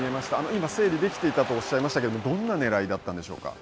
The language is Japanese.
今整理できていたとおっしゃいましたけど、どんなねらいだったんでしょうか。